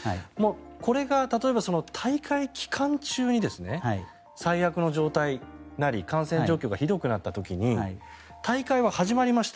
これが例えば大会期間中に最悪の状態なり感染状況がひどくなった時に大会は始まりました